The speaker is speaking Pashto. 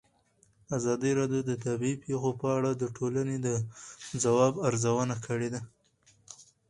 ازادي راډیو د طبیعي پېښې په اړه د ټولنې د ځواب ارزونه کړې.